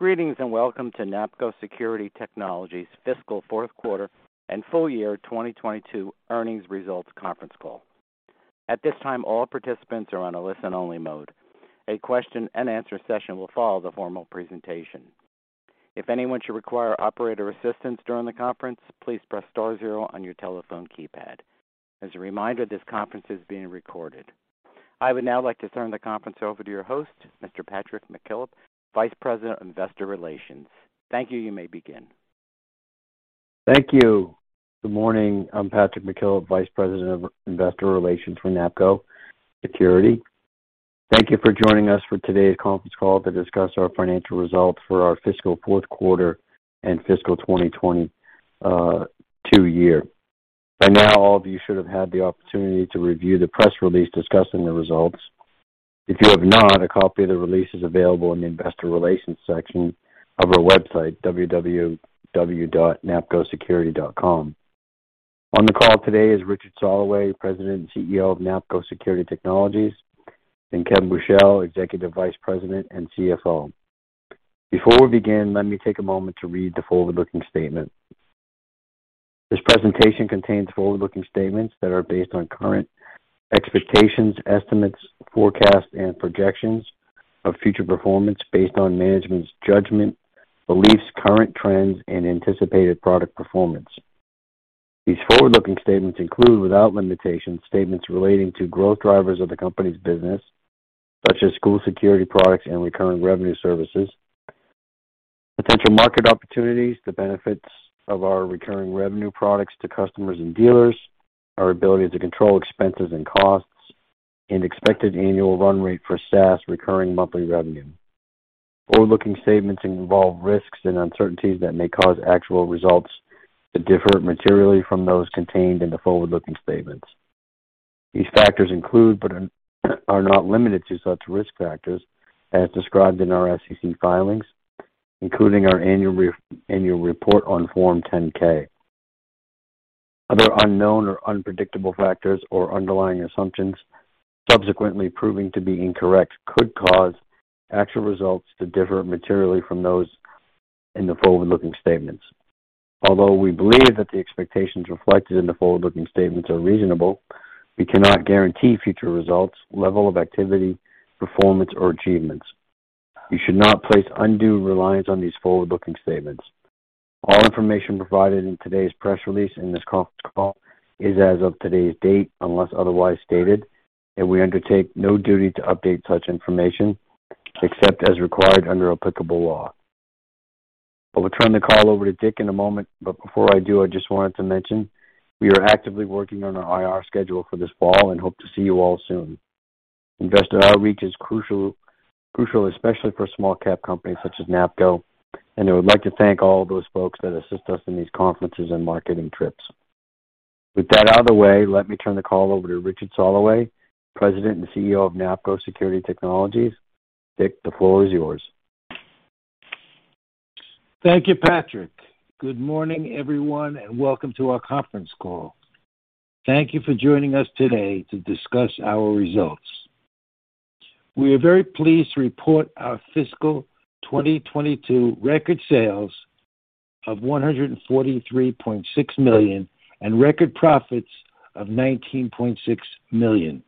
Greetings and welcome to NAPCO Security Technologies Fiscal Fourth Quarter and Full Year 2022 Earnings Results Conference Call. At this time, all participants are on a listen-only mode. A question-and-answer session will follow the formal presentation. If anyone should require operator assistance during the conference, please press star zero on your telephone keypad. As a reminder, this conference is being recorded. I would now like to turn the conference over to your host, Mr. Patrick McKillop, Vice President of Investor Relations. Thank you. You may begin. Thank you. Good morning. I'm Patrick McKillop, Vice President of Investor Relations for NAPCO Security. Thank you for joining us for today's conference call to discuss our financial results for our fiscal fourth quarter and fiscal 2020 two-year. By now, all of you should have had the opportunity to review the press release discussing the results. If you have not, a copy of the release is available in the investor relations section of our website, www.napcosecurity.com. On the call today is Richard Soloway, President and CEO of NAPCO Security Technologies, and Kevin Buchel, Executive Vice President and CFO. Before we begin, let me take a moment to read the forward-looking statement. This presentation contains forward-looking statements that are based on current expectations, estimates, forecasts, and projections of future performance based on management's judgment, beliefs, current trends, and anticipated product performance. These forward-looking statements include, without limitation, statements relating to growth drivers of the company's business, such as school security products and recurring revenue services, potential market opportunities, the benefits of our recurring revenue products to customers and dealers, our ability to control expenses and costs, and expected annual run rate for SaaS recurring monthly revenue. Forward-looking statements involve risks and uncertainties that may cause actual results to differ materially from those contained in the forward-looking statements. These factors include, but are not limited to such risk factors as described in our SEC filings, including our annual report on Form 10-K. Other unknown or unpredictable factors or underlying assumptions subsequently proving to be incorrect could cause actual results to differ materially from those in the forward-looking statements. Although we believe that the expectations reflected in the forward-looking statements are reasonable, we cannot guarantee future results, level of activity, performance, or achievements. You should not place undue reliance on these forward-looking statements. All information provided in today's press release and this conference call is as of today's date, unless otherwise stated, and we undertake no duty to update such information except as required under applicable law. I will turn the call over to Richard in a moment, but before I do, I just wanted to mention we are actively working on our IR schedule for this fall and hope to see you all soon. Investor outreach is crucial especially for small cap companies such as NAPCO, and I would like to thank all those folks that assist us in these conferences and marketing trips. With that out of the way, let me turn the call over to Richard Soloway, President and CEO of NAPCO Security Technologies. Dick, the floor is yours. Thank you, Patrick. Good morning, everyone, and welcome to our conference call. Thank you for joining us today to discuss our results. We are very pleased to report our fiscal 2022 record sales of $143.6 million and record profits of $19.6 million.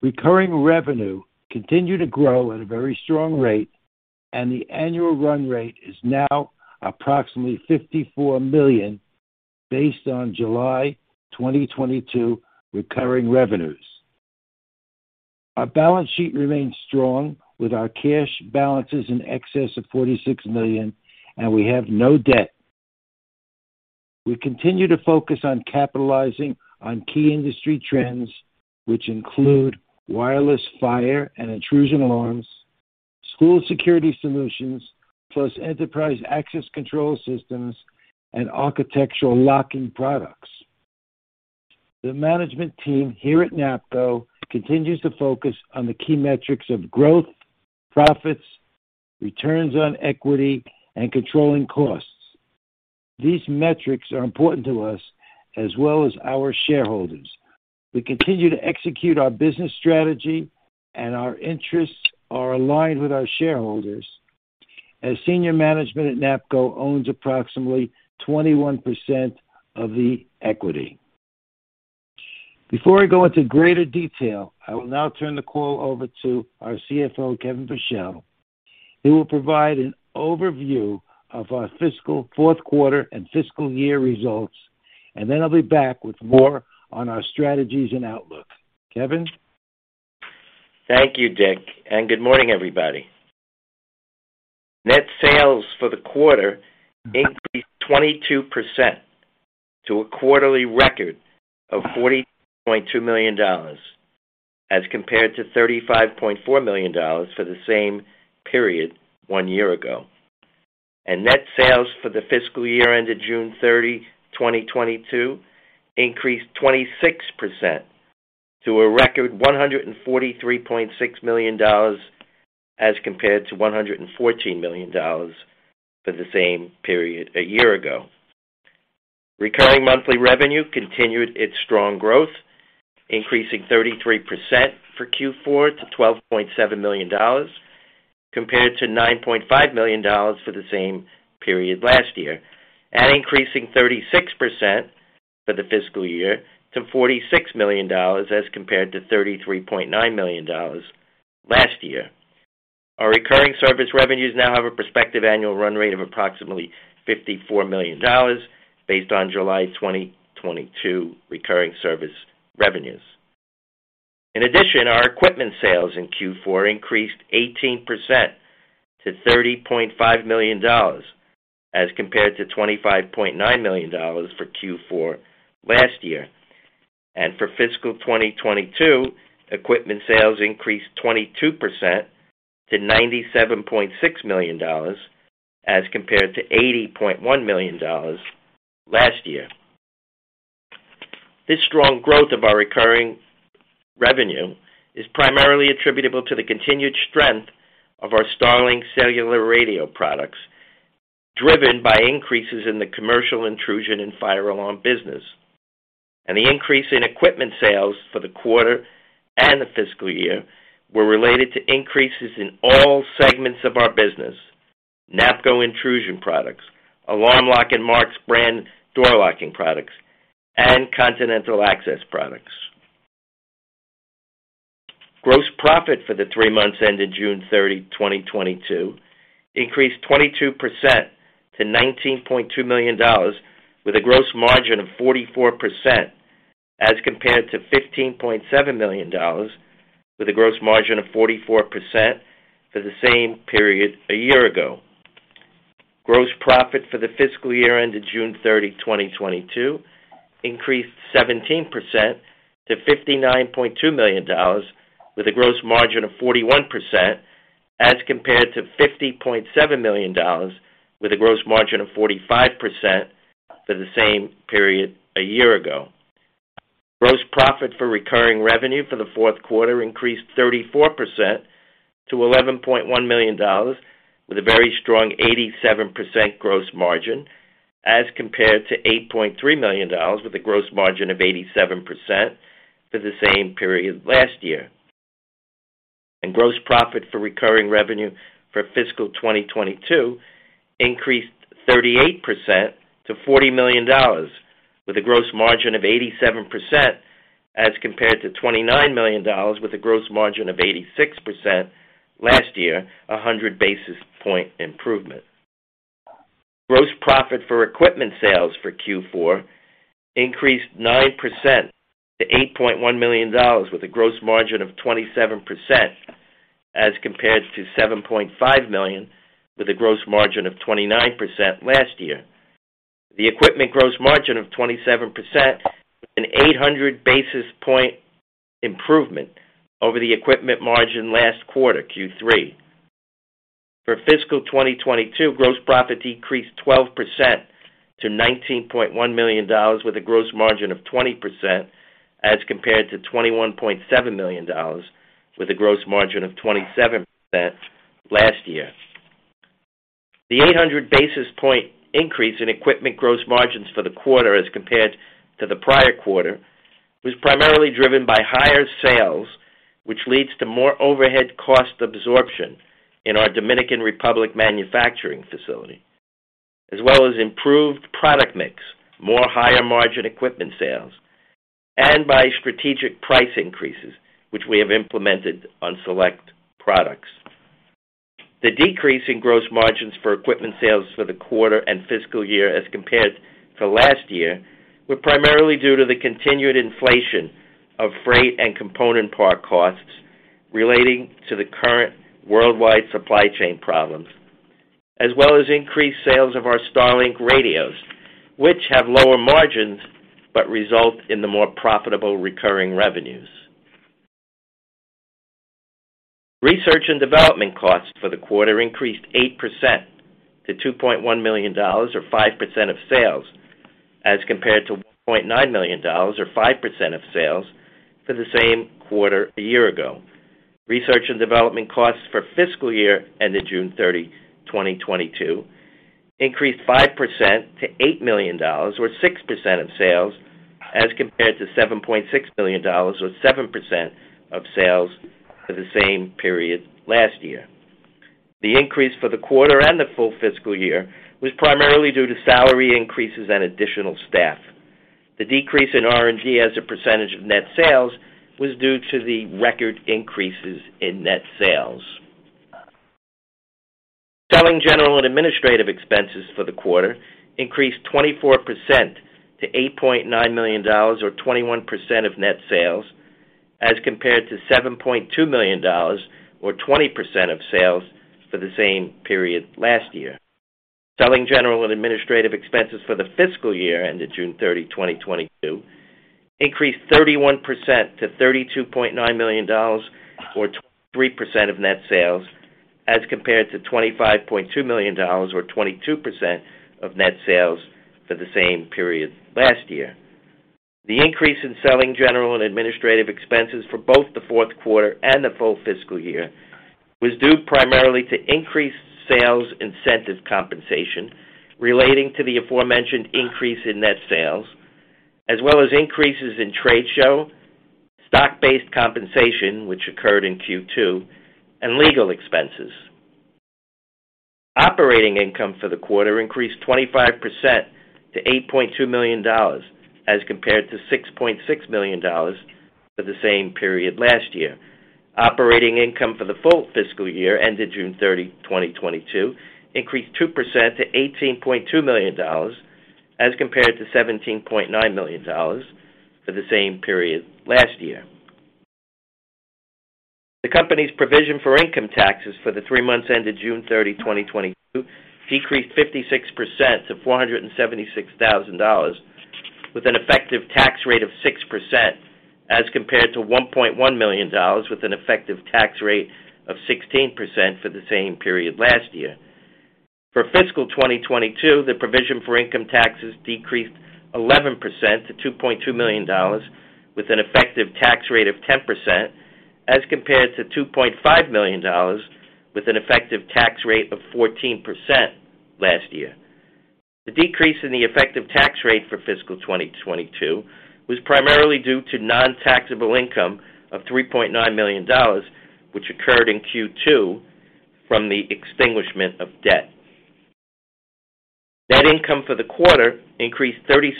Recurring revenue continued to grow at a very strong rate, and the annual run rate is now approximately $54 million based on July 2022 recurring revenues. Our balance sheet remains strong with our cash balances in excess of $46 million, and we have no debt. We continue to focus on capitalizing on key industry trends, which include wireless fire and intrusion alarms, school security solutions, plus enterprise access control systems and architectural locking products. The management team here at NAPCO continues to focus on the key metrics of growth, profits, returns on equity, and controlling costs. These metrics are important to us as well as our shareholders. We continue to execute our business strategy and our interests are aligned with our shareholders as senior management at NAPCO owns approximately 21% of the equity. Before I go into greater detail, I will now turn the call over to our CFO, Kevin Buchel. He will provide an overview of our fiscal fourth quarter and fiscal year results, and then I'll be back with more on our strategies and outlook. Kevin? Thank you, Rich, and good morning, everybody. Net sales for the quarter increased 22% to a quarterly record of $40.2 million, as compared to $35.4 million for the same period one year ago. Net sales for the fiscal year ended June 30, 2022 increased 26% to a record $143.6 million as compared to $114 million for the same period a year ago. Recurring monthly revenue continued its strong growth, increasing 33% for Q4 to $12.7 million, compared to $9.5 million for the same period last year, and increasing 36% for the fiscal year to $46 million as compared to $33.9 million last year. Our recurring service revenues now have a prospective annual run rate of approximately $54 million based on July 2022 recurring service revenues. In addition, our equipment sales in Q4 increased 18% to $30.5 million as compared to $25.9 million for Q4 last year. For fiscal 2022, equipment sales increased 22% to $97.6 million as compared to $80.1 million last year. This strong growth of our recurring revenue is primarily attributable to the continued strength of our StarLink cellular radio products, driven by increases in the commercial intrusion and fire alarm business. The increase in equipment sales for the quarter and the fiscal year 2022 were related to increases in all segments of our business. NAPCO Intrusion Products, Alarm Lock and Marks USA door locking products, and Continental Access products. Gross profit for the three months ended June 30, 2022 increased 22% to $19.2 million with a gross margin of 44% as compared to $15.7 million with a gross margin of 44% for the same period a year ago. Gross profit for the fiscal year ended June 30, 2022 increased 17% to $59.2 million with a gross margin of 41% as compared to $50.7 million with a gross margin of 45% for the same period a year ago. Gross profit for recurring revenue for the fourth quarter increased 34% to $11.1 million with a very strong 87% gross margin as compared to $8.3 million with a gross margin of 87% for the same period last year. Gross profit for recurring revenue for fiscal 2022 increased 38% to $40 million with a gross margin of 87% as compared to $29 million with a gross margin of 86% last year, a 100 basis point improvement. Gross profit for equipment sales for Q4 increased 9% to $8.1 million with a gross margin of 27% as compared to $7.5 million with a gross margin of 29% last year. The equipment gross margin of 27% was an 800 basis point improvement over the equipment margin last quarter, Q3. For fiscal 2022, gross profit decreased 12% to $19.1 million with a gross margin of 20% as compared to $21.7 million with a gross margin of 27% last year. The 800 basis point increase in equipment gross margins for the quarter as compared to the prior quarter was primarily driven by higher sales, which leads to more overhead cost absorption in our Dominican Republic manufacturing facility, as well as improved product mix, more higher margin equipment sales, and by strategic price increases which we have implemented on select products. The decrease in gross margins for equipment sales for the quarter and fiscal year as compared to last year were primarily due to the continued inflation of freight and component part costs relating to the current worldwide supply chain problems, as well as increased sales of our StarLink radios, which have lower margins but result in the more profitable recurring revenues. Research and development costs for the quarter increased 8% to $2.1 million or 5% of sales as compared to $1.9 million or 5% of sales for the same quarter a year ago. Research and development costs for fiscal year ended June 30, 2022 increased 5% to $8 million or 6% of sales as compared to $7.6 million or 7% of sales for the same period last year. The increase for the quarter and the full fiscal year was primarily due to salary increases and additional staff. The decrease in R&D as a percentage of net sales was due to the record increases in net sales. Selling general and administrative expenses for the quarter increased 24% to $8.9 million or 21% of net sales as compared to $7.2 million or 20% of sales for the same period last year. Selling general and administrative expenses for the fiscal year ended June 30, 2022 increased 31% to $32.9 million or 23% of net sales as compared to $25.2 million or 22% of net sales for the same period last year. The increase in selling general and administrative expenses for both the fourth quarter and the full fiscal year was due primarily to increased sales incentive compensation relating to the aforementioned increase in net sales, as well as increases in trade show, stock-based compensation, which occurred in Q2, and legal expenses. Operating income for the quarter increased 25% to $8.2 million, as compared to $6.6 million for the same period last year. Operating income for the full fiscal year ended June 30, 2022 increased 2% to $18.2 million, as compared to $17.9 million for the same period last year. The company's provision for income taxes for the three months ended June 30, 2022 decreased 56% to $476,000 with an effective tax rate of 6%, as compared to $1.1 million with an effective tax rate of 16% for the same period last year. For fiscal 2022, the provision for income taxes decreased 11% to $2.2 million with an effective tax rate of 10%, as compared to $2.5 million with an effective tax rate of 14% last year. The decrease in the effective tax rate for fiscal 2022 was primarily due to non-taxable income of $3.9 million, which occurred in Q2 from the extinguishment of debt. Net income for the quarter increased 36%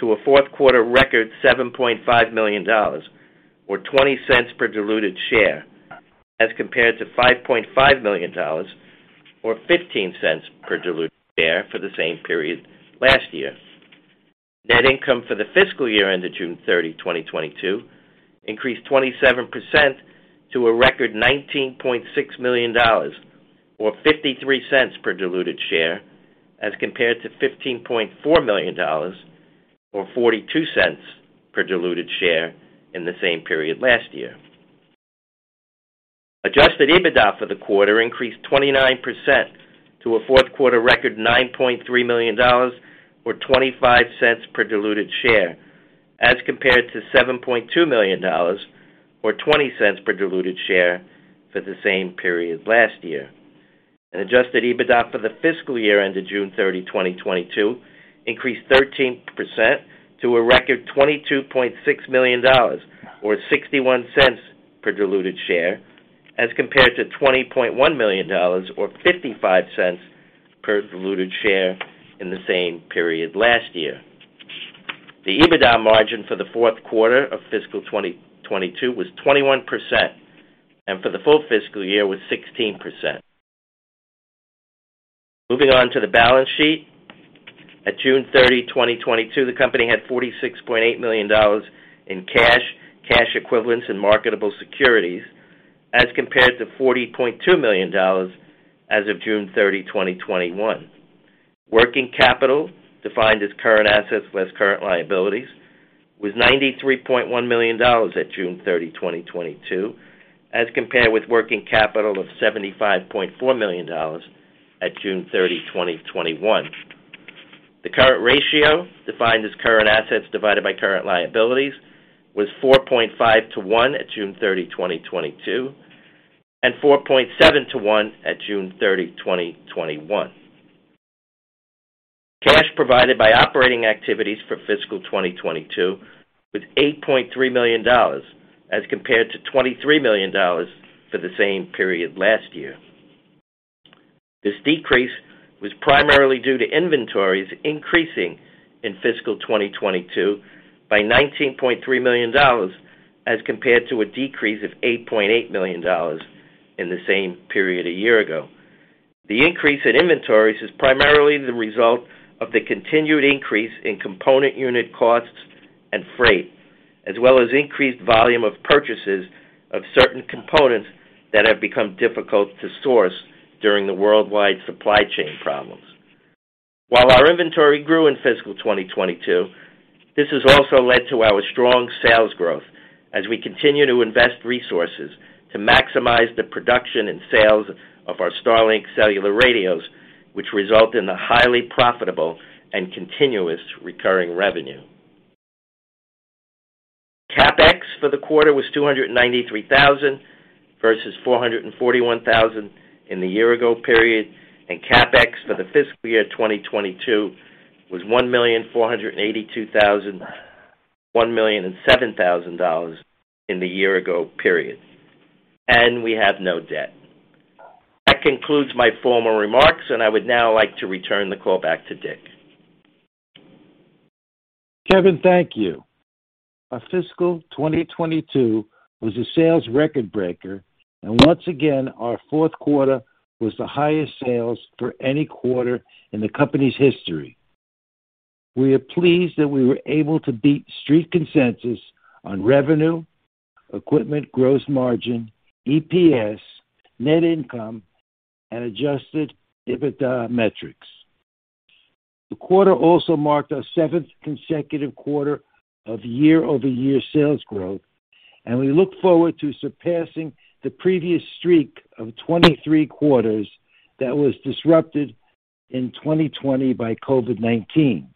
to a fourth quarter record $7.5 million or $0.20 per diluted share, as compared to $5.5 million or $0.15 per diluted share for the same period last year. Net income for the fiscal year ended June 30, 2022 increased 27% to a record $19.6 million or $0.53 per diluted share, as compared to $15.4 million or $0.42 per diluted share in the same period last year. Adjusted EBITDA for the quarter increased 29% to a fourth quarter record $9.3 million or $0.25 per diluted share, as compared to $7.2 million or $0.20 per diluted share for the same period last year. Adjusted EBITDA for the fiscal year ended June 30, 2022 increased 13% to a record $22.6 million or $0.61 per diluted share, as compared to $20.1 million or $0.55 per diluted share in the same period last year. The EBITDA margin for the fourth quarter of fiscal 2022 was 21%, and for the full fiscal year was 16%. Moving on to the balance sheet. At June 30, 2022, the company had $46.8 million in cash equivalents, and marketable securities as compared to $40.2 million as of June 30, 2021. Working capital, defined as current assets less current liabilities, was $93.1 million at June 30, 2022, as compared with working capital of $75.4 million at June 30, 2021. The current ratio, defined as current assets divided by current liabilities, was 4.5 to 1 at June 30, 2022, and 4.7 to 1 at June 30, 2021. Cash provided by operating activities for fiscal 2022 was $8.3 million as compared to $23 million for the same period last year. This decrease was primarily due to inventories increasing in fiscal 2022 by $19.3 million, as compared to a decrease of $8.8 million in the same period a year ago. The increase in inventories is primarily the result of the continued increase in component unit costs and freight, as well as increased volume of purchases of certain components that have become difficult to source during the worldwide supply chain problems. While our inventory grew in fiscal 2022, this has also led to our strong sales growth as we continue to invest resources to maximize the production and sales of our StarLink cellular radios, which result in a highly profitable and continuous recurring revenue. CapEx for the quarter was $293 thousand versus $441 thousand in the year-ago period, and CapEx for the fiscal year 2022 was $1.482 million, $1.007 million in the year-ago period. We have no debt. That concludes my formal remarks, and I would now like to return the call back to Rich. Kevin, thank you. Our fiscal 2022 was a sales record breaker, and once again, our fourth quarter was the highest sales for any quarter in the company's history. We are pleased that we were able to beat Street consensus on revenue, equipment, gross margin, EPS, net income, and adjusted EBITDA metrics. The quarter also marked our 7th consecutive quarter of year-over-year sales growth. We look forward to surpassing the previous streak of 23 quarters that was disrupted in 2020 by COVID-19.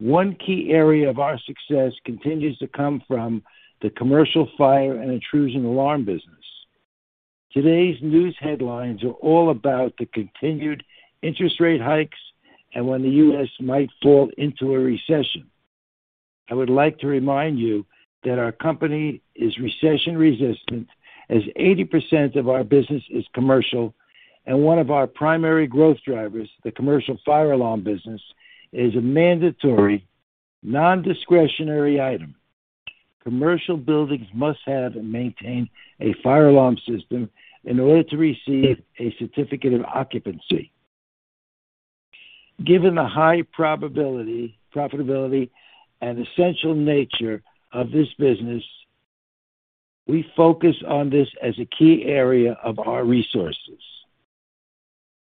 One key area of our success continues to come from the commercial fire and intrusion alarm business. Today's news headlines are all about the continued interest rate hikes and when the U.S. might fall into a recession. I would like to remind you that our company is recession-resistant as 80% of our business is commercial, and one of our primary growth drivers, the commercial fire alarm business, is a mandatory non-discretionary item. Commercial buildings must have and maintain a fire alarm system in order to receive a certificate of occupancy. Given the high profitability and essential nature of this business, we focus on this as a key area of our resources.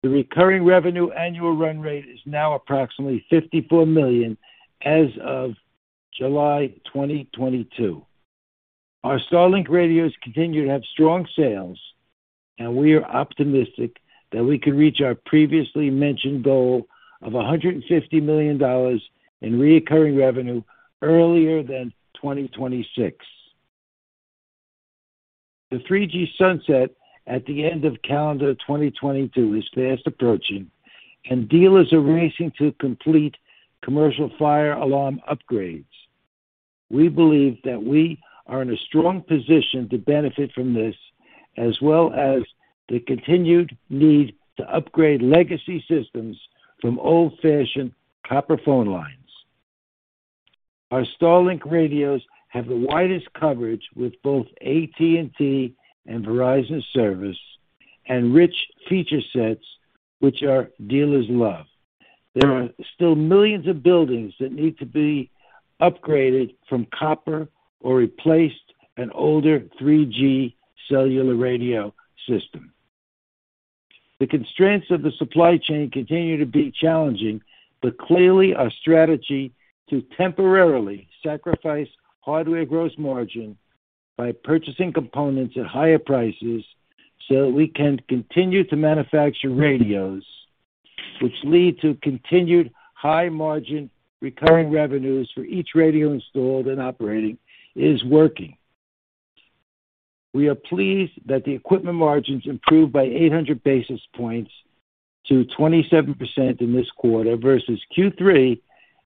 The recurring revenue annual run rate is now approximately $54 million as of July 2022. Our StarLink radios continue to have strong sales, and we are optimistic that we can reach our previously mentioned goal of $150 million in recurring revenue earlier than 2026. The 3G sunset at the end of calendar 2022 is fast approaching, and dealers are racing to complete commercial fire alarm upgrades. We believe that we are in a strong position to benefit from this, as well as the continued need to upgrade legacy systems from old-fashioned copper phone lines. Our StarLink radios have the widest coverage with both AT&T and Verizon service and rich feature sets, which our dealers love. There are still millions of buildings that need to be upgraded from copper or replaced an older 3G cellular radio system. The constraints of the supply chain continue to be challenging, but clearly, our strategy to temporarily sacrifice hardware gross margin by purchasing components at higher prices so that we can continue to manufacture radios, which lead to continued high margin recurring revenues for each radio installed and operating, is working. We are pleased that the equipment margins improved by 800 basis points to 27% in this quarter versus Q3,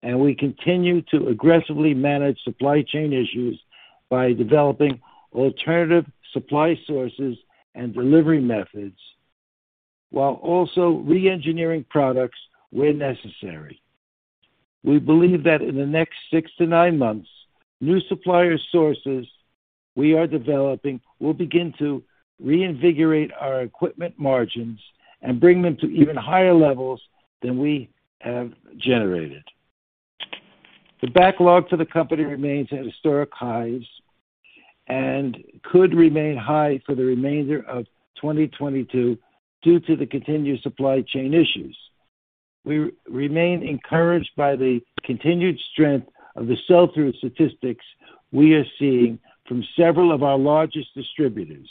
and we continue to aggressively manage supply chain issues by developing alternative supply sources and delivery methods, while also reengineering products where necessary. We believe that in the next 6-9 months, new supplier sources we are developing will begin to reinvigorate our equipment margins and bring them to even higher levels than we have generated. The backlog for the company remains at historic highs and could remain high for the remainder of 2022 due to the continued supply chain issues. We remain encouraged by the continued strength of the sell-through statistics we are seeing from several of our largest distributors.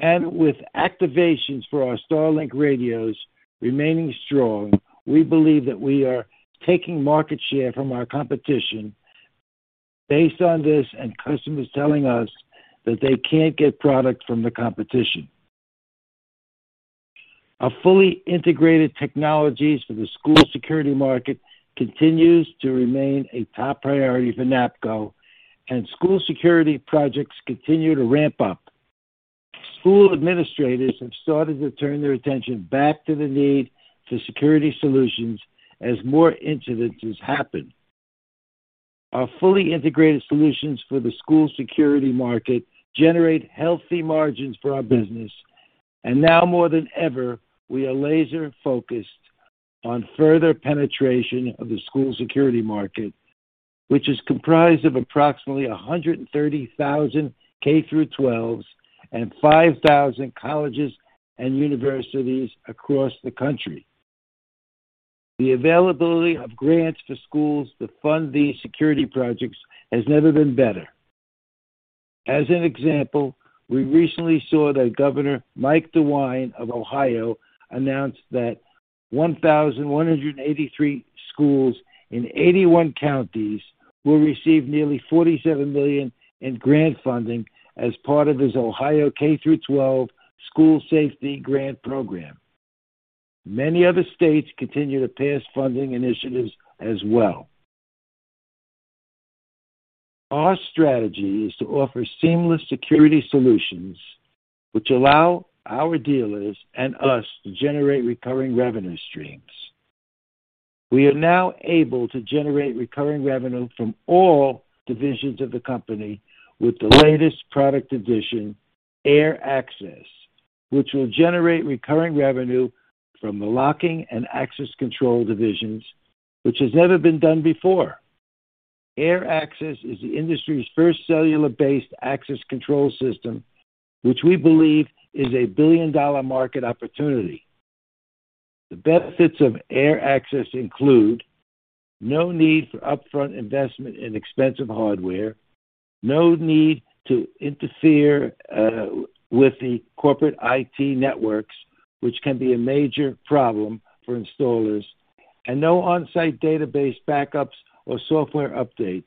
With activations for our StarLink radios remaining strong, we believe that we are taking market share from our competition based on this and customers telling us that they can't get product from the competition. Fully integrated technologies for the school security market continues to remain a top priority for NAPCO, and school security projects continue to ramp up. School administrators have started to turn their attention back to the need for security solutions as more incidents happen. Our fully integrated solutions for the school security market generate healthy margins for our business, and now more than ever, we are laser-focused on further penetration of the school security market, which is comprised of approximately 130,000 K-12, and 5,000 colleges and universities across the country. The availability of grants for schools to fund these security projects has never been better. As an example, we recently saw that Governor Mike DeWine of Ohio announced that 1,183 schools in 81 counties will receive nearly $47 million in grant funding as part of his Ohio K-12 School Safety Grant Program. Many other states continue to pass funding initiatives as well. Our strategy is to offer seamless security solutions which allow our dealers and us to generate recurring revenue streams. We are now able to generate recurring revenue from all divisions of the company with the latest product addition, AirAccess, which will generate recurring revenue from the locking and access control divisions, which has never been done before. AirAccess is the industry's first cellular-based access control system, which we believe is a billion-dollar market opportunity. The benefits of AirAccess include no need for upfront investment in expensive hardware, no need to interfere with the corporate IT networks, which can be a major problem for installers, and no on-site database backups or software updates.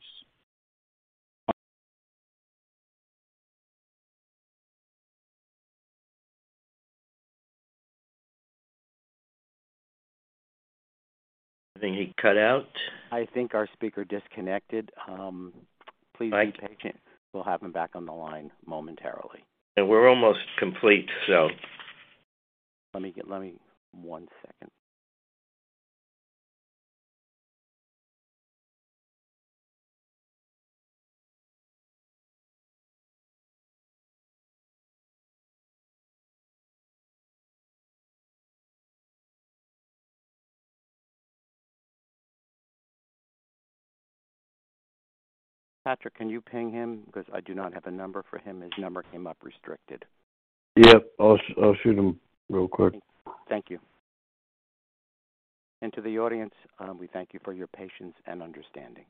I think he cut out. I think our speaker disconnected. Please be patient. We'll have him back on the line momentarily. We're almost complete, so. One second. Patrick, can you ping him? Because I do not have a number for him. His number came up restricted. Yep. I'll shoot him real quick. Thank you. To the audience, we thank you for your patience and understanding.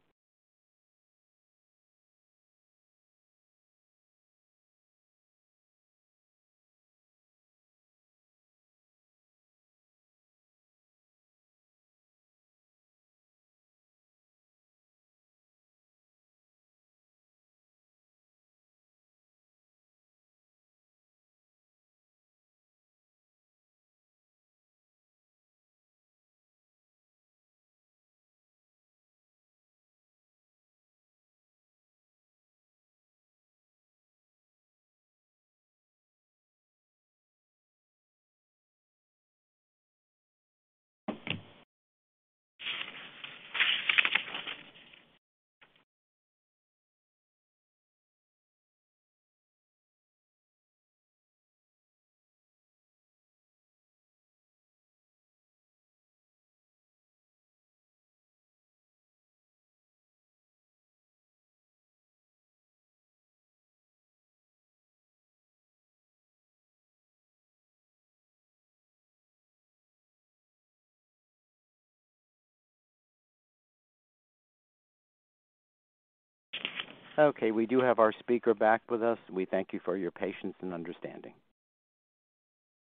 Okay, we do have our speaker back with us. We thank you for your patience and understanding.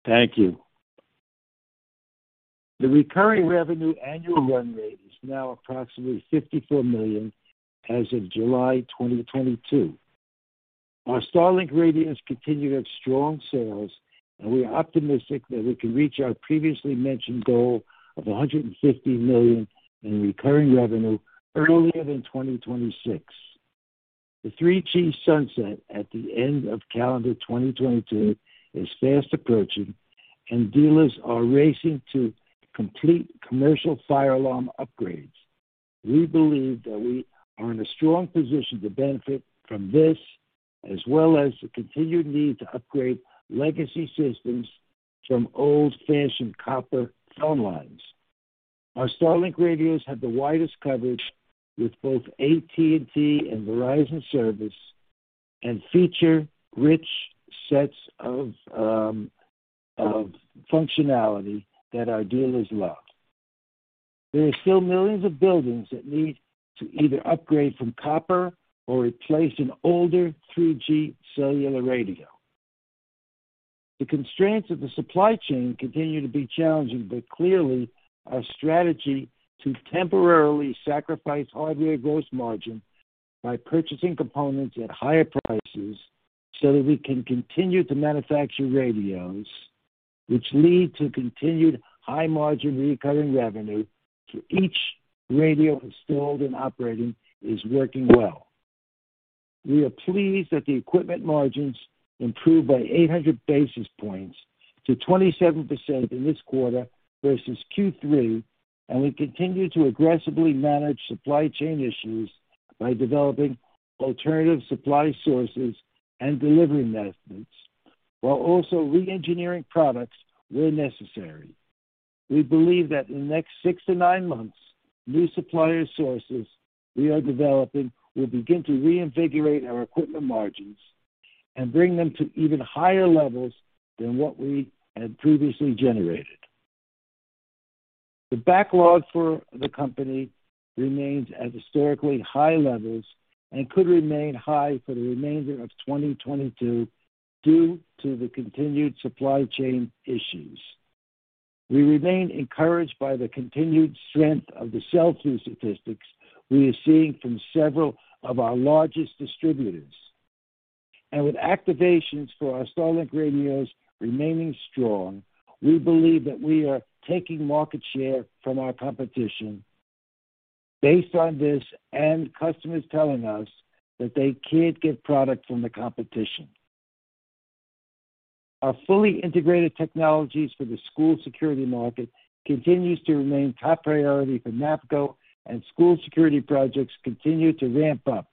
Thank you. The recurring revenue annual run rate is now approximately $54 million as of July 2022. Our StarLink radios continue to have strong sales, and we are optimistic that we can reach our previously mentioned goal of $150 million in recurring revenue earlier than 2026. The 3G sunset at the end of calendar 2022 is fast approaching, and dealers are racing to complete commercial fire alarm upgrades. We believe that we are in a strong position to benefit from this, as well as the continued need to upgrade legacy systems from old-fashioned copper phone lines. Our StarLink radios have the widest coverage with both AT&T and Verizon service and feature rich sets of of functionality that our dealers love. There are still millions of buildings that need to either upgrade from copper or replace an older 3G cellular radio. The constraints of the supply chain continue to be challenging, but clearly our strategy to temporarily sacrifice hardware gross margin by purchasing components at higher prices so that we can continue to manufacture radios, which lead to continued high margin recurring revenue for each radio installed and operating, is working well. We are pleased that the equipment margins improved by 800 basis points to 27% in this quarter versus Q3, and we continue to aggressively manage supply chain issues by developing alternative supply sources and delivery methods, while also re-engineering products where necessary. We believe that in the next 6-9 months, new supplier sources we are developing will begin to reinvigorate our equipment margins and bring them to even higher levels than what we had previously generated. The backlog for the company remains at historically high levels and could remain high for the remainder of 2022 due to the continued supply chain issues. We remain encouraged by the continued strength of the sell-through statistics we are seeing from several of our largest distributors. With activations for our StarLink radios remaining strong, we believe that we are taking market share from our competition based on this and customers telling us that they can't get product from the competition. Our fully integrated technologies for the school security market continues to remain top priority for NAPCO, and school security projects continue to ramp up.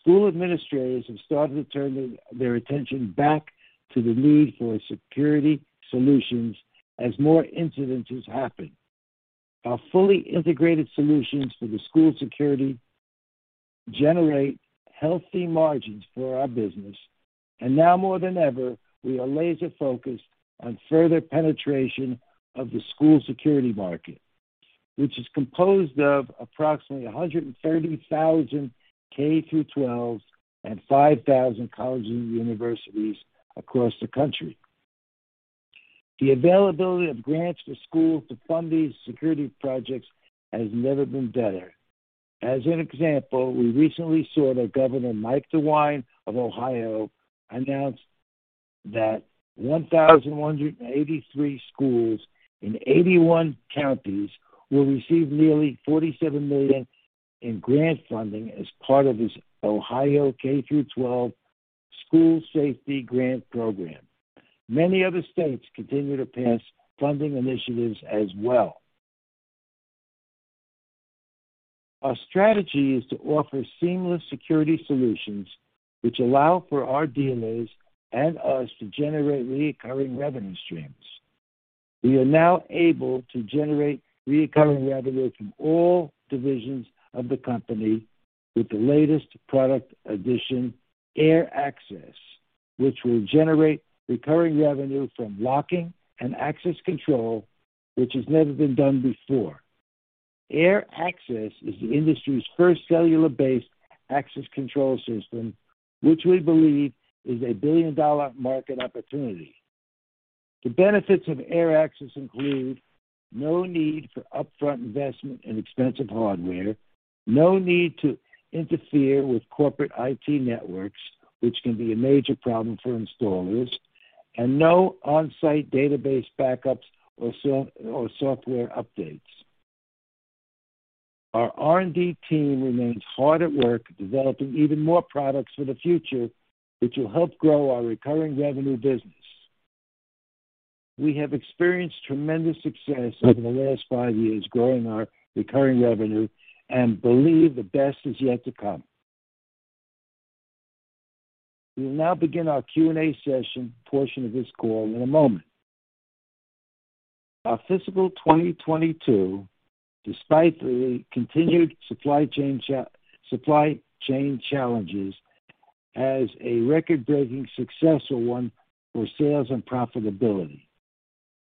School administrators have started to turn their attention back to the need for security solutions as more incidences happen. Our fully integrated solutions for the school security generate healthy margins for our business. Now more than ever, we are laser-focused on further penetration of the school security market, which is composed of approximately 130,000 K-12, and 5,000 colleges and universities across the country. The availability of grants to schools to fund these security projects has never been better. As an example, we recently saw that Governor Mike DeWine of Ohio announce that 1,183 schools in 81 counties will receive nearly $47 million in grant funding as part of his Ohio K-12, School Safety Grant Program. Many other states continue to pass funding initiatives as well. Our strategy is to offer seamless security solutions which allow for our dealers and us to generate recurring revenue streams. We are now able to generate recurring revenue from all divisions of the company with the latest product addition, AirAccess, which will generate recurring revenue from locking and access control, which has never been done before. AirAccess is the industry's first cellular-based access control system, which we believe is a billion-dollar market opportunity. The benefits of AirAccess include no need for upfront investment in expensive hardware, no need to interfere with corporate IT networks, which can be a major problem for installers, and no on-site database backups or software updates. Our R&D team remains hard at work developing even more products for the future, which will help grow our recurring revenue business. We have experienced tremendous success over the last five years growing our recurring revenue and believe the best is yet to come. We will now begin our Q&A session portion of this call in a moment. Our fiscal 2022, despite the continued supply chain challenges, has a record-breaking successful one for sales and profitability.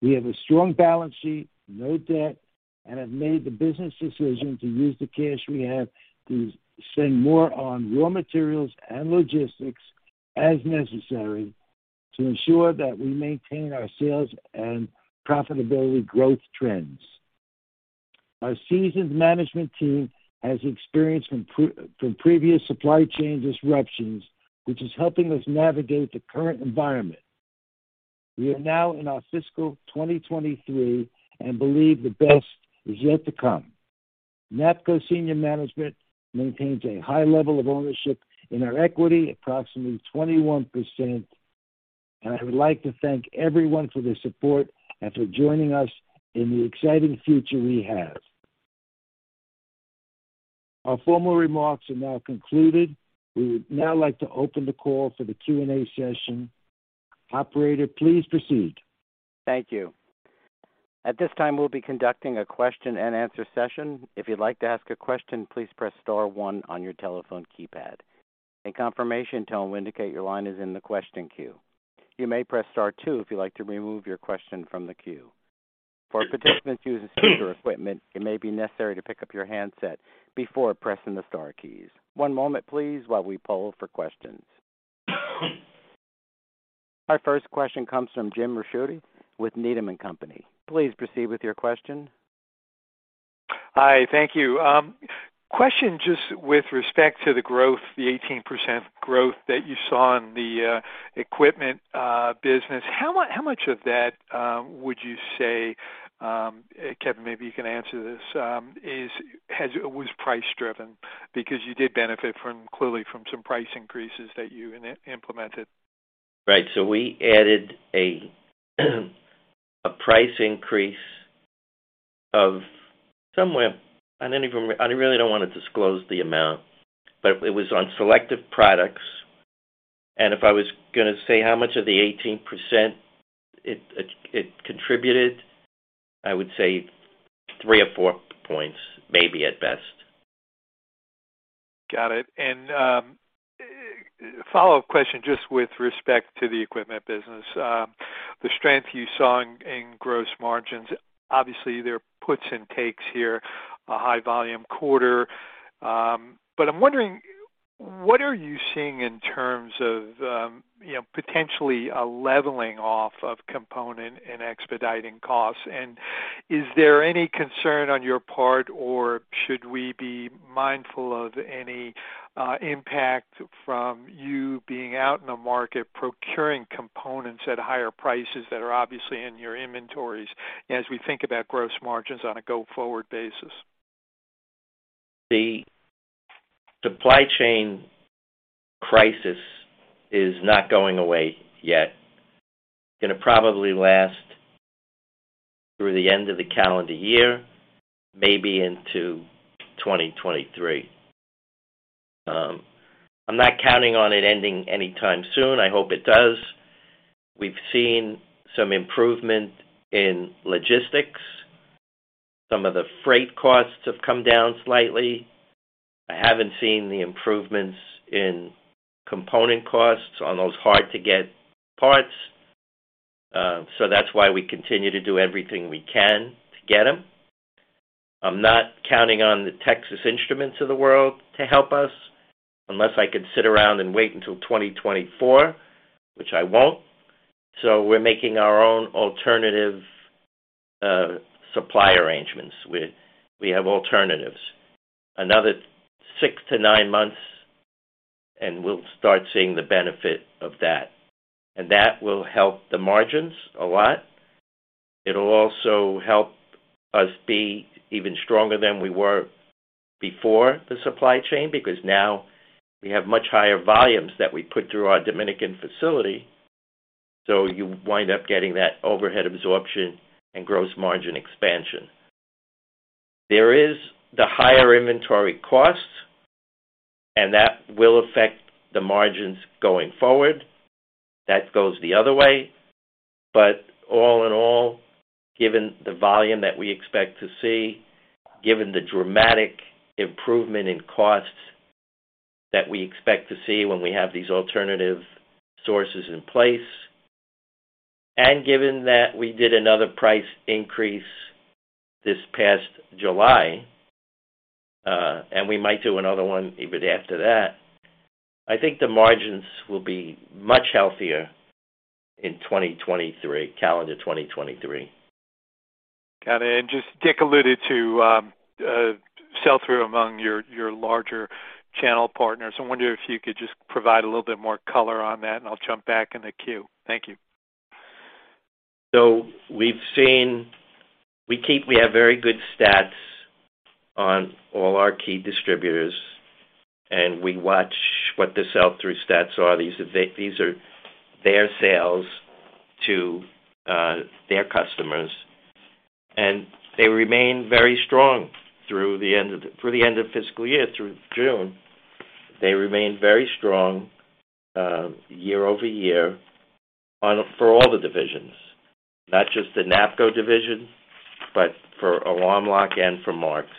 We have a strong balance sheet, no debt, and have made the business decision to use the cash we have to spend more on raw materials and logistics as necessary to ensure that we maintain our sales and profitability growth trends. Our seasoned management team has experience from previous supply chain disruptions, which is helping us navigate the current environment. We are now in our fiscal 2023 and believe the best is yet to come. NAPCO senior management maintains a high level of ownership in our equity, approximately 21%, and I would like to thank everyone for their support and for joining us in the exciting future we have. Our formal remarks are now concluded. We would now like to open the call for the Q&A session. Operator, please proceed. Thank you. At this time, we'll be conducting a question and answer session. If you'd like to ask a question, please press star one on your telephone keypad. A confirmation tone will indicate your line is in the question queue. You may press star two if you'd like to remove your question from the queue. For participants using computer equipment, it may be necessary to pick up your handset before pressing the star keys. One moment, please, while we poll for questions. Our first question comes from James Ricchiuti with Needham & Company. Please proceed with your question. Hi. Thank you. Question just with respect to the growth, the 18% growth that you saw in the equipment business. How much of that would you say is price-driven? Because you did benefit clearly from some price increases that you implemented. Right. We added a price increase of somewhere I really don't wanna disclose the amount, but it was on selective products. If I was gonna say how much of the 18% it contributed, I would say three or four points maybe at best. Got it. Follow-up question just with respect to the equipment business. The strength you saw in gross margins, obviously, there are puts and takes here, a high volume quarter. I'm wondering, what are you seeing in terms of, you know, potentially a leveling off of component and expediting costs? Is there any concern on your part, or should we be mindful of any impact from you being out in the market procuring components at higher prices that are obviously in your inventories as we think about gross margins on a go-forward basis? The supply chain crisis is not going away yet. Gonna probably last through the end of the calendar year, maybe into 2023. I'm not counting on it ending anytime soon. I hope it does. We've seen some improvement in logistics. Some of the freight costs have come down slightly. I haven't seen the improvements in component costs on those hard-to-get parts. That's why we continue to do everything we can to get them. I'm not counting on the Texas Instruments of the world to help us, unless I could sit around and wait until 2024, which I won't. We're making our own alternative supply arrangements. We have alternatives. Another 6-9 months, and we'll start seeing the benefit of that. That will help the margins a lot. It'll also help us be even stronger than we were before the supply chain, because now we have much higher volumes that we put through our Dominican facility. You wind up getting that overhead absorption and gross margin expansion. There is the higher inventory costs, and that will affect the margins going forward. That goes the other way. All in all, given the volume that we expect to see, given the dramatic improvement in costs that we expect to see when we have these alternative sources in place, and given that we did another price increase this past July, and we might do another one even after that, I think the margins will be much healthier in 2023, calendar 2023. Got it. Just Rich alluded to, sell-through among your larger channel partners. I wonder if you could just provide a little bit more color on that, and I'll jump back in the queue. Thank you. We have very good stats on all our key distributors, and we watch what the sell-through stats are. These are their sales to their customers. They remain very strong through the end of fiscal year, through June. They remain very strong year over year for all the divisions. Not just the NAPCO division, but for Alarm Lock and for Marks.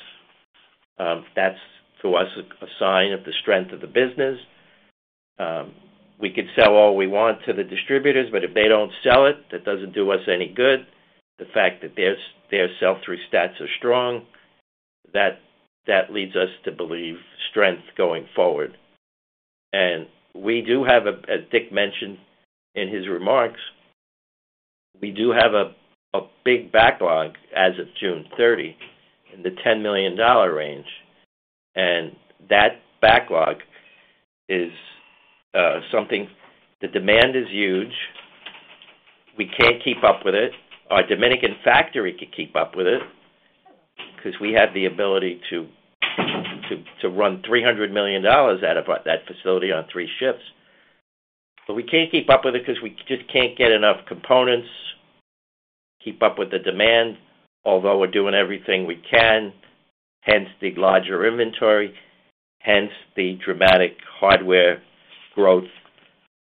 That's, to us, a sign of the strength of the business. We could sell all we want to the distributors, but if they don't sell it, that doesn't do us any good. The fact that their sell-through stats are strong, that leads us to believe strength going forward. As Rich mentioned in his remarks, we do have a big backlog as of June 30 in the $10 million range. That backlog is something. The demand is huge. We can't keep up with it. Our Dominican factory could keep up with it, 'cause we have the ability to run $300 million out of that facility on three shifts. We can't keep up with it 'cause we just can't get enough components to keep up with the demand, although we're doing everything we can, hence the larger inventory, hence the dramatic hardware growth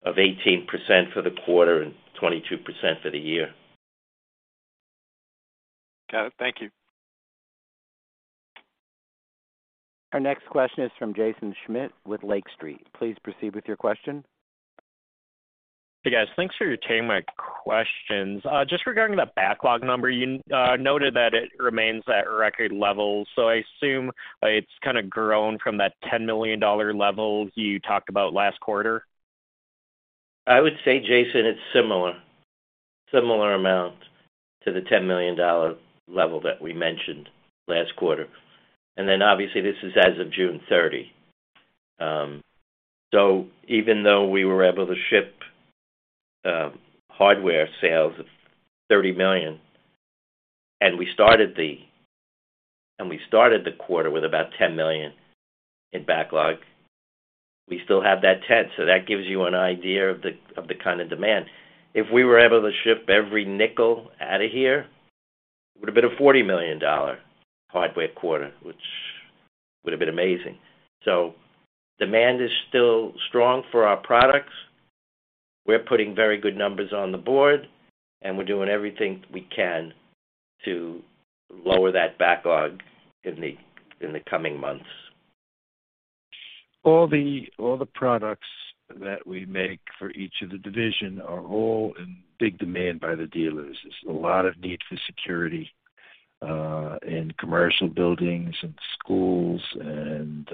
of 18% for the quarter and 22% for the year. Got it. Thank you. Our next question is from Jaeson Schmidt with Lake Street. Please proceed with your question. Hey, guys. Thanks for taking my questions. Just regarding the backlog number, you noted that it remains at record levels, so I assume it's kinda grown from that $10 million level you talked about last quarter? I would say Jaeson. It's a similar amount to the $10 million level that we mentioned last quarter. Then obviously, this is as of June 30. Even though we were able to ship hardware sales of $30 million, and we started the quarter with about $10 million in backlog, we still have that $10 million. That gives you an idea of the kinda demand. If we were able to ship every nickel out of here, it would've been a $40 million hardware quarter, which would've been amazing. Demand is still strong for our products. We're putting very good numbers on the board, and we're doing everything we can to lower that backlog in the coming months. All the products that we make for each of the division are all in big demand by the dealers. There's a lot of need for security in commercial buildings and schools and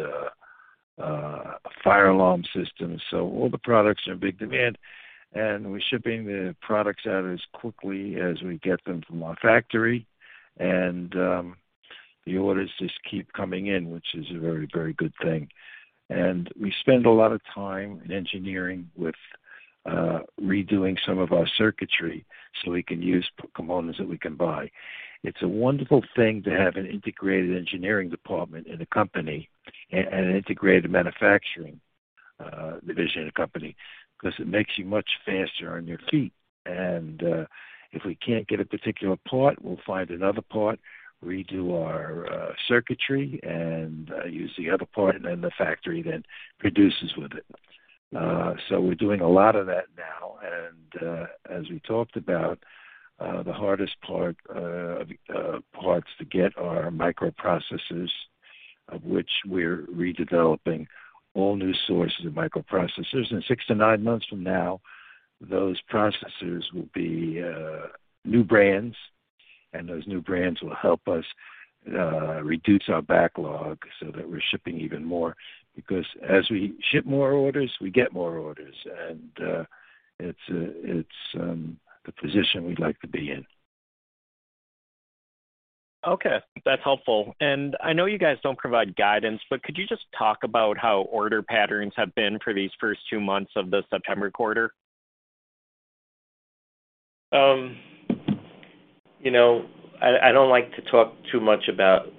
fire alarm systems. All the products are in big demand, and we're shipping the products out as quickly as we get them from our factory. The orders just keep coming in, which is a very good thing. We spend a lot of time in engineering with redoing some of our circuitry so we can use components that we can buy. It's a wonderful thing to have an integrated engineering department in a company and an integrated manufacturing division in a company, 'cause it makes you much faster on your feet. If we can't get a particular part, we'll find another part, redo our circuitry and use the other part, and then the factory then produces with it. We're doing a lot of that now. As we talked about, the hardest parts to get are microprocessors, of which we're redeveloping all new sources of microprocessors. 6-9 months from now, those processors will be new brands, and those new brands will help us reduce our backlog so that we're shipping even more. Because as we ship more orders, we get more orders. It's the position we'd like to be in. Okay. That's helpful. I know you guys don't provide guidance, but could you just talk about how order patterns have been for these first two months of the September quarter? I don't like to talk too much about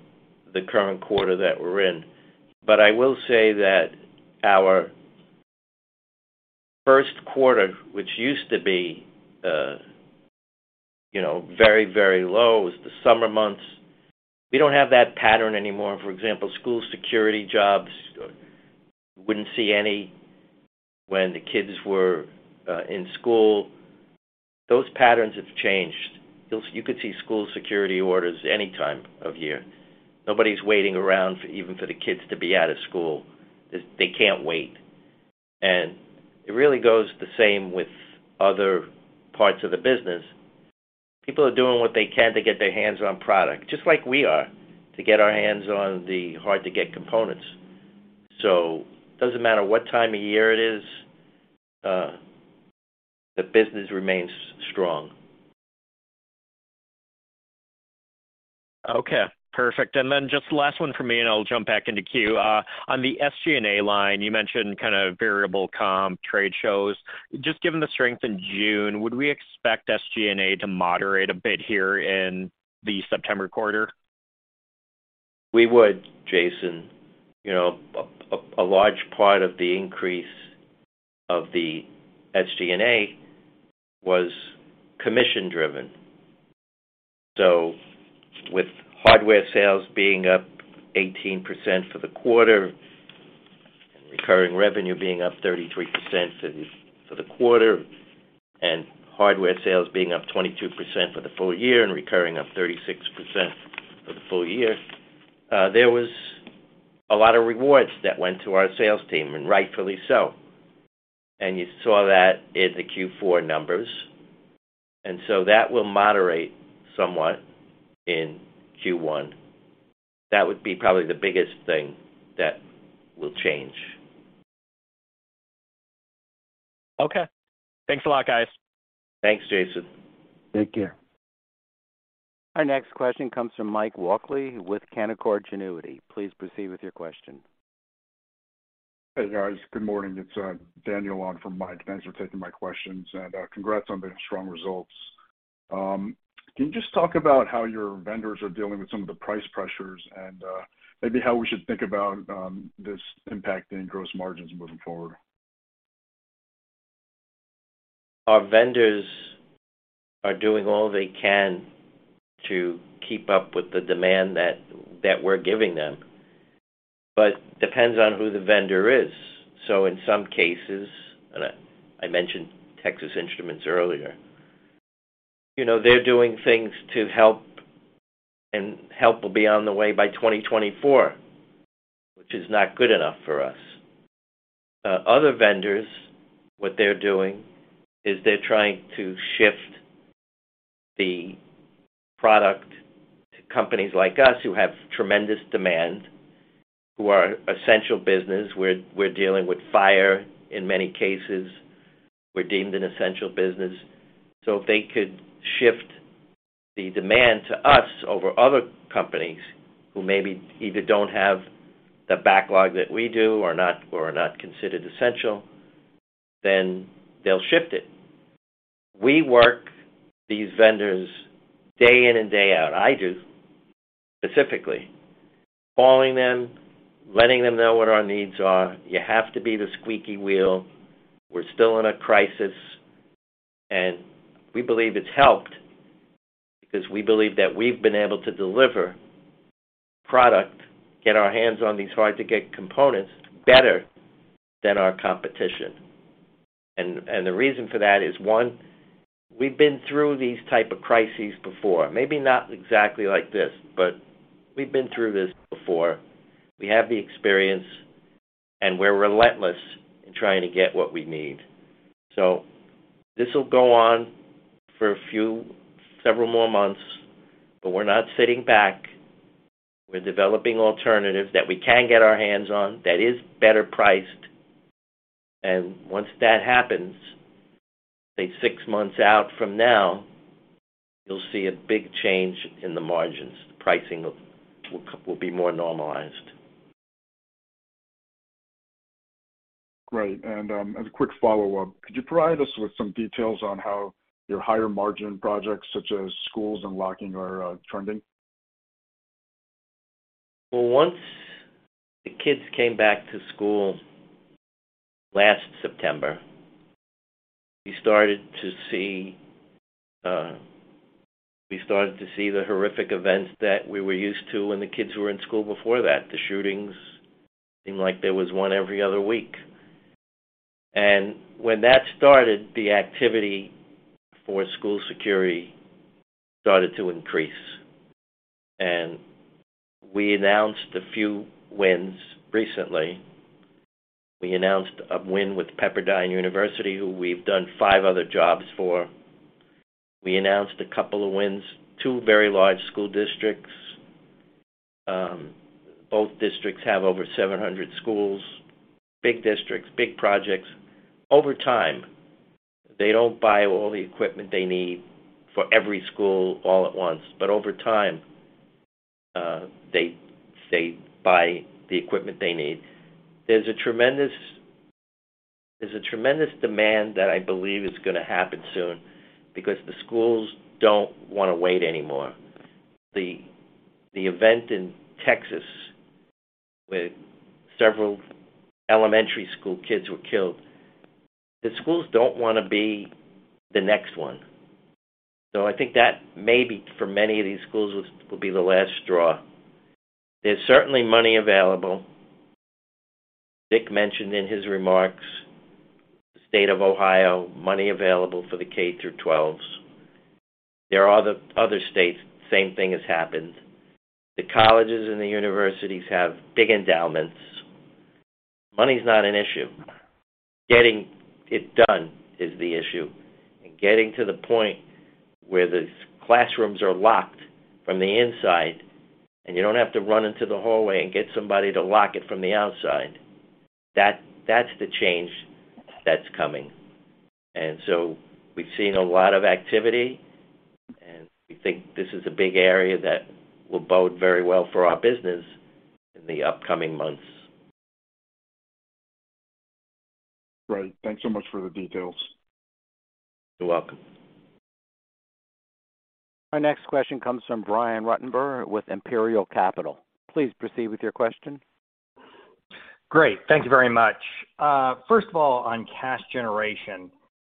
the current quarter that we're in. I will say that our first quarter, which used to be, you know, very, very low, it was the summer months, we don't have that pattern anymore. For example, school security jobs, you wouldn't see any when the kids were in school. Those patterns have changed. You could see school security orders any time of year. Nobody's waiting around even for the kids to be out of school. They can't wait. It really goes the same with other parts of the business. People are doing what they can to get their hands on product, just like we are, to get our hands on the hard-to-get components. It doesn't matter what time of year it is, the business remains strong. Okay. Perfect. Just last one from me, and I'll jump back into queue. On the SG&A line, you mentioned kind of variable comp, trade shows. Just given the strength in June, would we expect SG&A to moderate a bit here in the September quarter? We would, Jaeson. You know, a large part of the increase of the SG&A was commission-driven. With hardware sales being up 18% for the quarter, recurring revenue being up 33% for the quarter, and hardware sales being up 22% for the full year and recurring up 36% for the full year, there was a lot of rewards that went to our sales team, and rightfully so. You saw that in the Q4 numbers. That will moderate somewhat in Q1. That would be probably the biggest thing that will change. Okay. Thanks a lot, guys. Thanks, Jaeson. Take care. Our next question comes from Michael Walkley with Canaccord Genuity. Please proceed with your question. Hey, guys. Good morning. It's Daniel on for Michael. Thanks for taking my questions. Congrats on the strong results. Can you just talk about how your vendors are dealing with some of the price pressures and maybe how we should think about this impacting gross margins moving forward? Our vendors are doing all they can to keep up with the demand that we're giving them. Depends on who the vendor is. In some cases, and I mentioned Texas Instruments earlier, you know, they're doing things to help, and help will be on the way by 2024, which is not good enough for us. Other vendors, what they're doing is they're trying to shift the product to companies like us who have tremendous demand, who are essential business. We're dealing with fire in many cases. We're deemed an essential business. If they could shift the demand to us over other companies who maybe either don't have the backlog that we do or are not considered essential, then they'll shift it. We work these vendors day in and day out. I do, specifically, calling them, letting them know what our needs are. You have to be the squeaky wheel. We're still in a crisis, and we believe it's helped because we believe that we've been able to deliver product, get our hands on these hard-to-get components better than our competition. The reason for that is, one, we've been through these type of crises before. Maybe not exactly like this, but we've been through this before. We have the experience, and we're relentless in trying to get what we need. This will go on for a few, several more months, but we're not sitting back. We're developing alternatives that we can get our hands on that is better priced. Once that happens, say six months out from now, you'll see a big change in the margins. The pricing will be more normalized. Great. As a quick follow-up, could you provide us with some details on how your higher margin projects such as schools and locking are trending? Well, once the kids came back to school last September, we started to see the horrific events that we were used to when the kids were in school before that. The shootings seemed like there was one every other week. When that started, the activity for school security started to increase. We announced a few wins recently. We announced a win with Pepperdine University, who we've done five other jobs for. We announced a couple of wins, two very large school districts. Both districts have over 700 schools. Big districts, big projects. Over time, they don't buy all the equipment they need for every school all at once, but over time, they buy the equipment they need. There's a tremendous demand that I believe is gonna happen soon because the schools don't wanna wait anymore. The event in Texas, where several elementary school kids were killed, the schools don't wanna be the next one. I think that maybe for many of these schools will be the last straw. There's certainly money available. Dick mentioned in his remarks, State of Ohio, money available for the K-12. There are other states, same thing has happened. The colleges and the universities have big endowments. Money's not an issue. Getting it done is the issue. Getting to the point where the classrooms are locked from the inside, and you don't have to run into the hallway and get somebody to lock it from the outside. That's the change that's coming. We've seen a lot of activity, and we think this is a big area that will bode very well for our business in the upcoming months. Great. Thanks so much for the details. You're welcome. Our next question comes from Brian Ruttenbur with Imperial Capital. Please proceed with your question. Great. Thank you very much. First of all, on cash generation,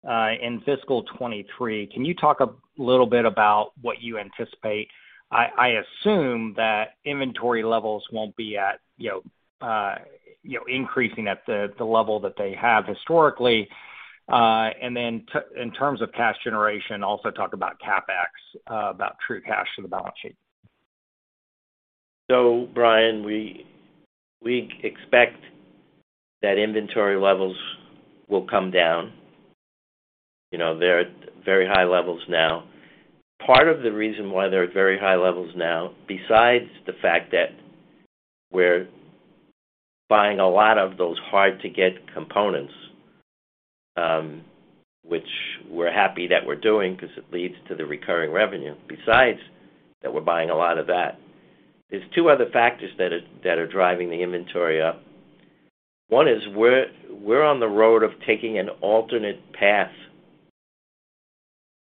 in fiscal 2023, can you talk a little bit about what you anticipate? I assume that inventory levels won't be at, you know, you know, increasing at the level that they have historically. Then in terms of cash generation, also talk about CapEx, about true cash to the balance sheet. Brian, we expect that inventory levels will come down. You know, they're at very high levels now. Part of the reason why they're at very high levels now, besides the fact that we're buying a lot of those hard-to-get components, which we're happy that we're doing because it leads to the recurring revenue. Besides that we're buying a lot of that, there's two other factors that are driving the inventory up. One is we're on the road of taking an alternate path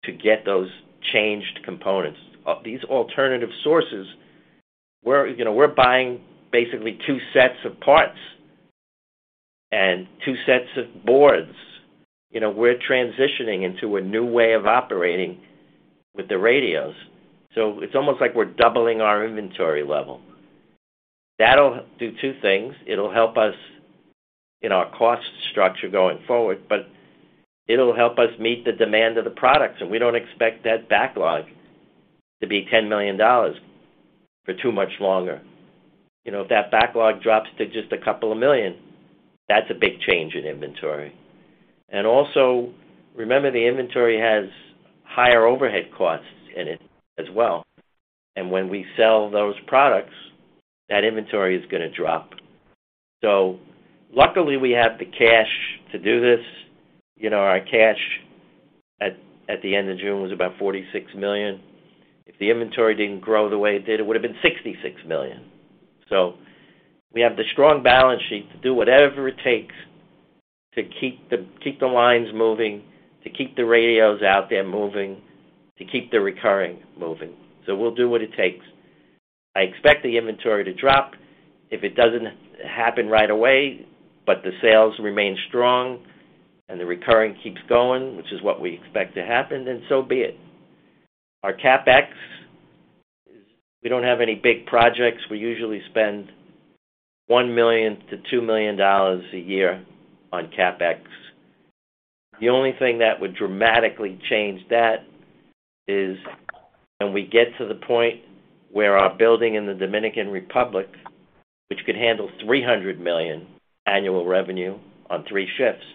to get those changed components. These alternative sources, you know, we're buying basically two sets of parts and two sets of boards. You know, we're transitioning into a new way of operating with the radios. It's almost like we're doubling our inventory level. That'll do two things. It'll help us in our cost structure going forward, but it'll help us meet the demand of the products. We don't expect that backlog to be $10 million for too much longer. You know, if that backlog drops to just a couple of million, that's a big change in inventory. Also, remember, the inventory has higher overhead costs in it as well. When we sell those products, that inventory is gonna drop. Luckily, we have the cash to do this. You know, our cash at the end of June was about $46 million. If the inventory didn't grow the way it did, it would have been $66 million. We have the strong balance sheet to do whatever it takes to keep the lines moving, to keep the radios out there moving, to keep the recurring moving. We'll do what it takes. I expect the inventory to drop. If it doesn't happen right away, but the sales remain strong and the recurring keeps going, which is what we expect to happen, then so be it. Our CapEx, we don't have any big projects. We usually spend $1 million-$2 million a year on CapEx. The only thing that would dramatically change that is when we get to the point where our building in the Dominican Republic, which could handle $300 million annual revenue on three shifts.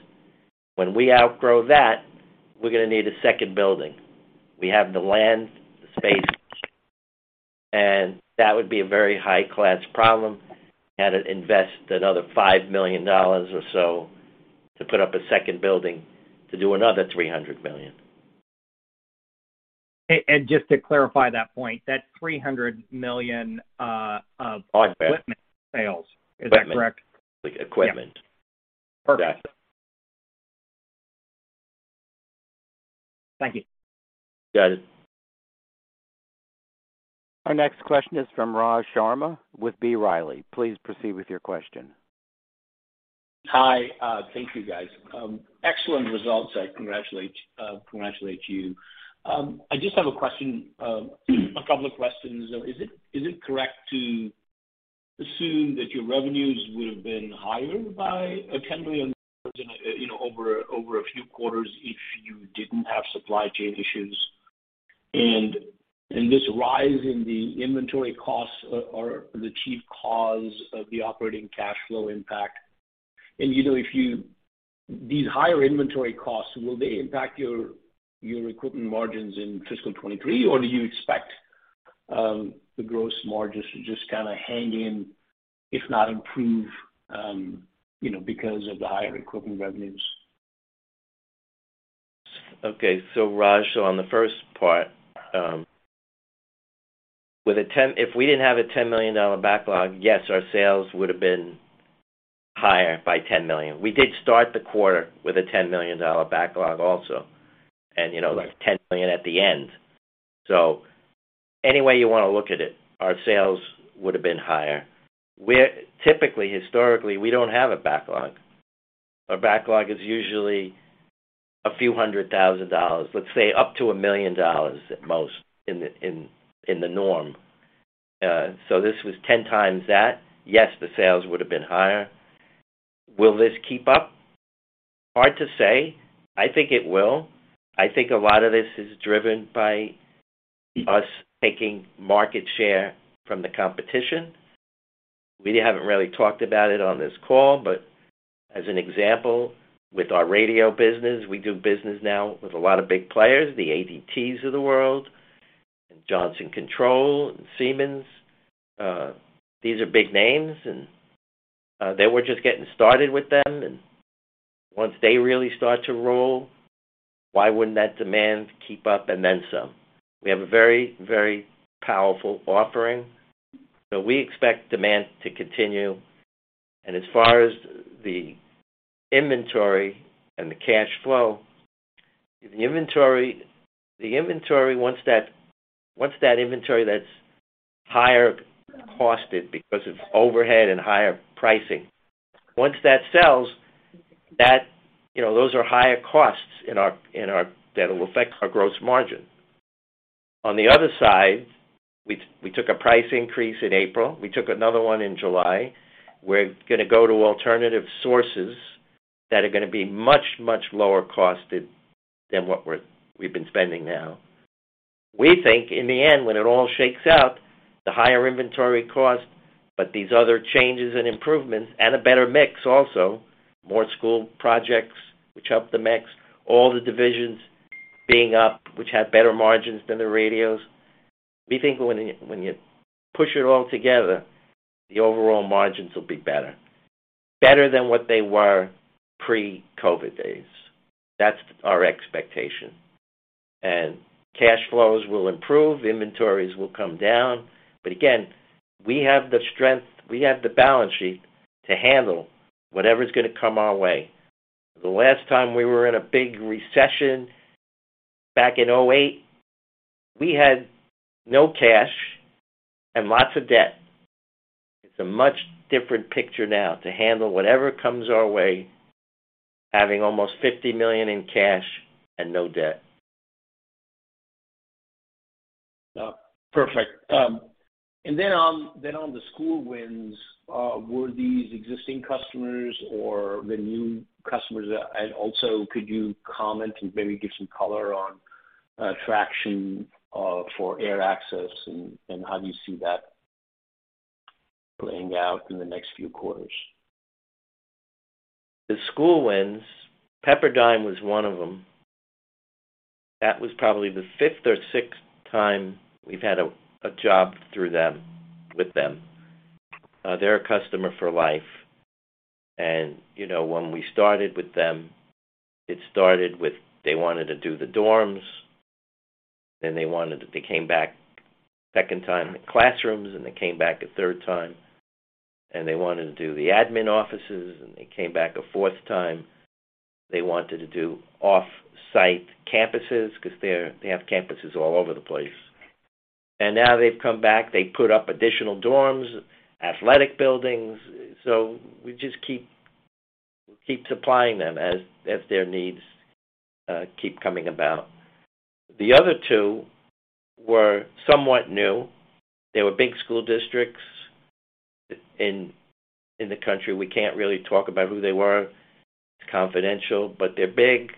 When we outgrow that, we're gonna need a second building. We have the land, the space, and that would be a very high-class problem, have to invest another $5 million or so to put up a second building to do another $300 million. Just to clarify that point, that $300 million. Product sales Equipment sales. Is that correct? Equipment. Yeah. Perfect. Got it. Thank you. Got it. Our next question is from Raj Sharma with B. Riley. Please proceed with your question. Hi. Thank you, guys. Excellent results. I congratulate you. I just have a question. A couple of questions. Is it correct to assume that your revenues would have been higher by $10 million, you know, over a few quarters if you didn't have supply chain issues? This rise in the inventory costs are the chief cause of the operating cash flow impact. You know, these higher inventory costs, will they impact your equipment margins in fiscal 2023, or do you expect the gross margins to just kinda hang in, if not improve, you know, because of the higher equipment revenues? Okay. Raj, on the first part, if we didn't have a $10 million backlog, yes, our sales would have been higher by $10 million. We did start the quarter with a $10 million backlog also and, you know, like $10 million at the end. Any way you wanna look at it, our sales would have been higher. Typically, historically, we don't have a backlog. Our backlog is usually a few hundred thousand dollars, let's say up to $1 million at most in the norm. This was 10 times that. Yes, the sales would have been higher. Will this keep up? Hard to say. I think it will. I think a lot of this is driven by us taking market share from the competition. We haven't really talked about it on this call, but as an example, with our radio business, we do business now with a lot of big players, the ADTs of the world, and Johnson Controls, and Siemens. These are big names, and they were just getting started with them, and once they really start to roll, why wouldn't that demand keep up and then some? We have a very, very powerful offering, so we expect demand to continue. As far as the inventory and the cash flow, the inventory. Once that inventory that's higher costed because of overhead and higher pricing, once that sells, those are higher costs in our that will affect our gross margin. On the other side, we took a price increase in April. We took another one in July. We're gonna go to alternative sources that are gonna be much, much lower cost than what we've been spending now. We think in the end, when it all shakes out, the higher inventory cost, but these other changes and improvements, and a better mix also, more school projects which help the mix, all the divisions being up, which have better margins than the radios. We think when you push it all together, the overall margins will be better. Better than what they were pre-COVID days. That's our expectation. Cash flows will improve, inventories will come down, but again, we have the strength, we have the balance sheet to handle whatever's gonna come our way. The last time we were in a big recession, back in 2008, we had no cash and lots of debt. It's a much different picture now to handle whatever comes our way, having almost $50 million in cash and no debt. Perfect. On the school wins, were these existing customers or the new customers? Could you comment and maybe give some color on traction for AirAccess and how do you see that playing out in the next few quarters? The school wins. Pepperdine was one of them. That was probably the fifth or sixth time we've had a job through them, with them. They're a customer for life. You know, when we started with them, it started with they wanted to do the dorms, then they came back second time in the classrooms, and they came back a third time, and they wanted to do the admin offices, and they came back a fourth time. They wanted to do off-site campuses 'cause they have campuses all over the place. Now they've come back, they put up additional dorms, athletic buildings. We just keep supplying them as their needs keep coming about. The other two were somewhat new. They were big school districts in the country. We can't really talk about who they were. It's confidential, but they're big,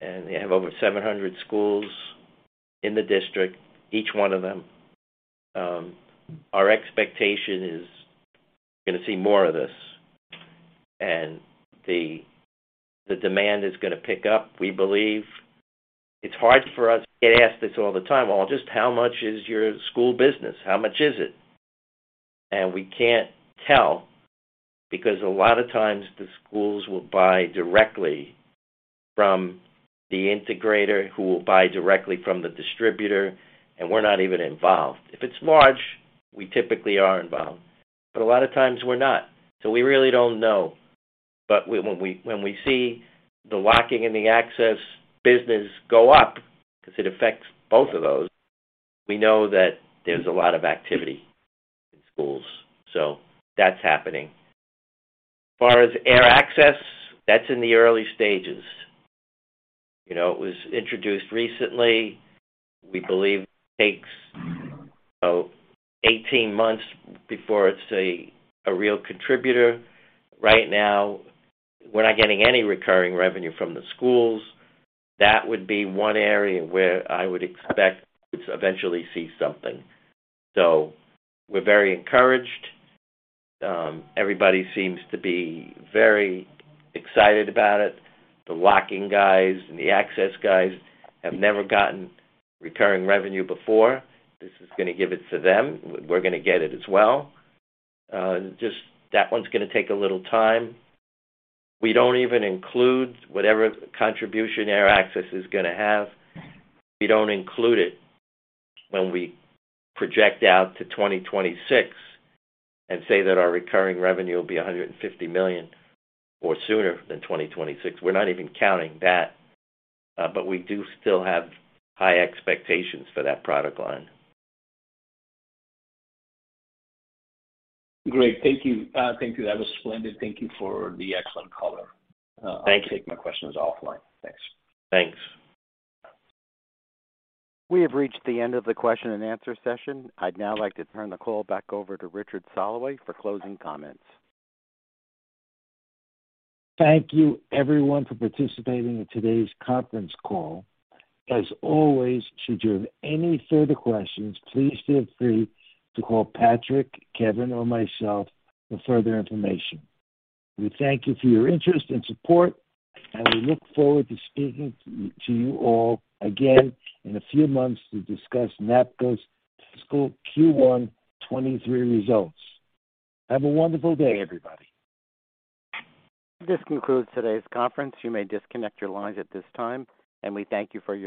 and they have over 700 schools in the district, each one of them. Our expectation is gonna see more of this. The demand is gonna pick up, we believe. It's hard for us. We get asked this all the time. "Well, just how much is your school business? How much is it?" We can't tell because a lot of times the schools will buy directly from the integrator who will buy directly from the distributor, and we're not even involved. If it's large, we typically are involved, but a lot of times we're not. We really don't know. When we see the locking and the access business go up, 'cause it affects both of those. We know that there's a lot of activity in schools, so that's happening. As far as AirAccess, that's in the early stages. You know, it was introduced recently. We believe it takes, you know, 18 months before it's a real contributor. Right now, we're not getting any recurring revenue from the schools. That would be one area where I would expect to eventually see something. We're very encouraged. Everybody seems to be very excited about it. The locking guys and the access guys have never gotten recurring revenue before. This is gonna give it to them. We're gonna get it as well. Just that one's gonna take a little time. We don't even include whatever contribution AirAccess is gonna have. We don't include it when we project out to 2026 and say that our recurring revenue will be $150 million or sooner than 2026. We're not even counting that. We do still have high expectations for that product line. Great. Thank you. That was splendid. Thank you for the excellent color. Thank you. I'll take my questions offline. Thanks. Thanks. We have reached the end of the question and answer session. I'd now like to turn the call back over to Richard Soloway for closing comments. Thank you everyone for participating in today's conference call. As always, should you have any further questions, please feel free to call Patrick, Kevin, or myself for further information. We thank you for your interest and support, and we look forward to speaking to you all again in a few months to discuss NAPCO's fiscal Q1 2023 results. Have a wonderful day, everybody. This concludes today's conference. You may disconnect your lines at this time, and we thank you for your participation.